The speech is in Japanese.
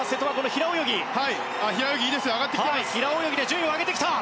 平泳ぎで順位を上げてきた。